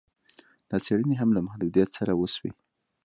دا څېړني هم له محدویت سره وسوې